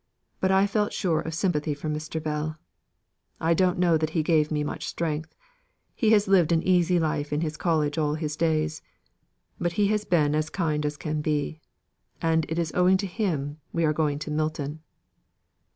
But I felt sure of sympathy from Mr. Bell. I don't know that he gave me much strength. He has lived an easy life in his college all his days. But he has been as kind as can be. And it is owing to him we are going to Milton."